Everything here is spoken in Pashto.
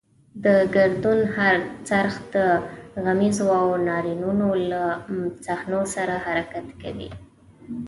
د ګردون هر څرخ د غمیزو او ناورینونو له صحنو سره حرکت کوي.